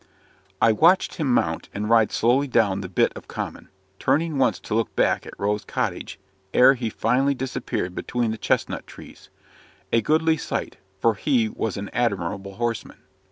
I watched him mount, and ride slowly down the bit of common turning once to look back at Rose Cottage, ere he finally disappeared between the chestnut trees: a goodly sight for he was an admirable horseman.